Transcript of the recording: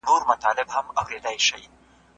با کتریاوې د ککړو خوړو له لارې بدن ته ننوځي.